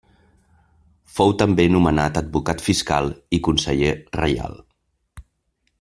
Fou també nomenat advocat fiscal i conseller reial.